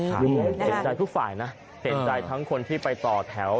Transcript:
เห็นใจทุกฝ่ายนะเห็นใจทั้งคนที่ไปต่อแถว